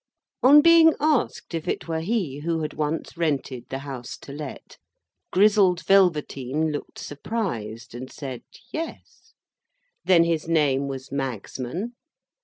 On being asked if it were he who had once rented the House to Let, Grizzled Velveteen looked surprised, and said yes. Then his name was Magsman?